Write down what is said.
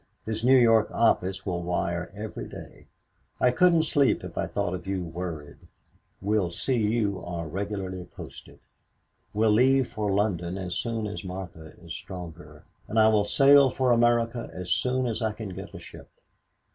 His New York office will wire every day. I couldn't sleep if I thought of you worried. Will see you are regularly posted. Will leave for London as soon as Martha is stronger, and I will sail for America as soon as I can get a ship.